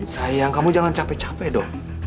sayang kamu jangan capek capek dong